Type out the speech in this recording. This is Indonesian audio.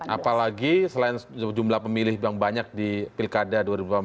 apalagi selain jumlah pemilih yang banyak di pilkada dua ribu delapan belas